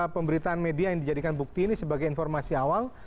pemberitaan media yang dijadikan bukti ini sebagai informasi awal